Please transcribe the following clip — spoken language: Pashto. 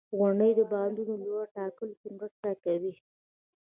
• غونډۍ د بادونو د لوري ټاکلو کې مرسته کوي.